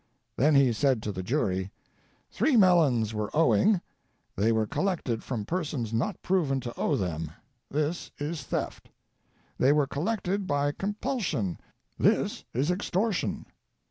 Then he said to the jury: "Three melons were owing ; they were collected from persons not proven to owe them; this is theft. They were collected by com pulsion; this is extortion.